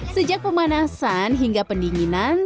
sejak pemanasan hingga pendinginan